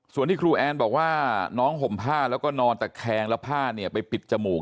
ส่วนที่ครูแอนบอกว่าน้องห่มผ้าแล้วก็นอนตะแคงแล้วผ้าเนี่ยไปปิดจมูก